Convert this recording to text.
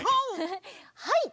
はい！